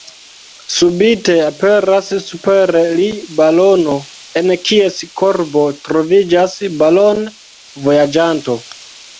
Subite aperas super li balono, en kies korbo troviĝas balon-vojaĝanto.